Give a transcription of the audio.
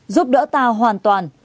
giúp đỡ ta hoàn toàn